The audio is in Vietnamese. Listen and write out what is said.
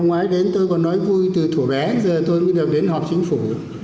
năm ngoái đến tôi còn nói vui từ thủ bé giờ tôi mới được đến họp chính phủ